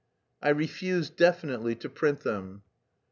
"I refused definitely to print them."